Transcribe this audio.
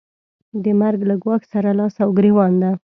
د مرګ له ګواښ سره لاس او ګرېوان ده.